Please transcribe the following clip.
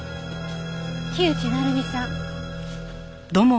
木内鳴実さん。